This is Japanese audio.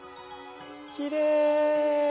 きれい。